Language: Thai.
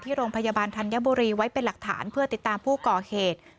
โรงพยาบาลธัญบุรีไว้เป็นหลักฐานเพื่อติดตามผู้ก่อเหตุ